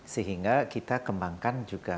sehingga kita kembangkan juga